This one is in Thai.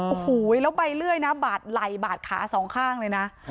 โอ้โหแล้วใบเลื่อยนะบาดไหล่บาดขาสองข้างเลยนะ